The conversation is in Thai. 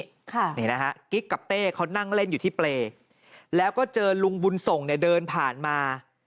ค่ะนี่นะฮะกิ๊กกับเต้เขานั่งเล่นอยู่ที่เปรย์แล้วก็เจอลุงบุญส่งเนี่ยเดินผ่านมา